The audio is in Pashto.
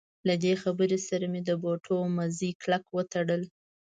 له دې خبرې سره مې د بوټونو مزي کلک وتړل.